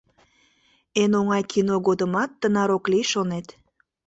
Эн оҥай кино годымат тынар ок лий, шонет.